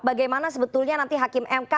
bagaimana sebetulnya nanti hakim mk